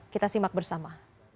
kita simak bersama